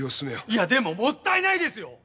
いやでももったいないですよ！